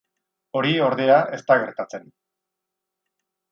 Hori, ordea, ez da gertatzen.